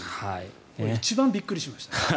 これ一番びっくりしましたね。